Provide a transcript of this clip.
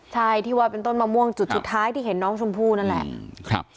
ใช่ที่ว่าเป็นต้นมะม่วงจุดสุดท้ายที่เห็นน้องชมพู่นั่นแหละ